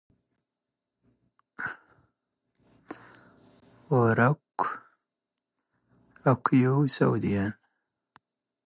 ⵓⵔ ⴰⴽ ⴰⴽⴽⵯ ⵢⵉⵡⵙ ⴰⵡⴷ ⵢⴰⵏ?